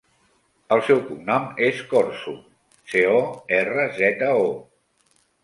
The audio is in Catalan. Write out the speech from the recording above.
El seu cognom és Corzo: ce, o, erra, zeta, o.